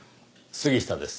杉下です。